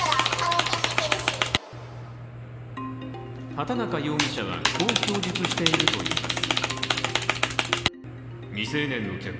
畑中容疑者は、こう供述しているといいます。